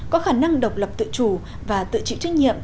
có khả năng độc lập tự chủ và tự chịu trách nhiệm